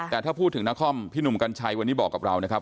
แต่ถ้าพูดถึงนครพี่หนุ่มกัญชัยวันนี้บอกกับเรานะครับ